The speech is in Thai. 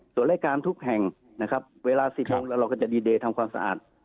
ส่วนรายการทุกแห่งนะครับเวลา๑๐โมงแล้วเราก็จะดีเดย์ทำความสะอาด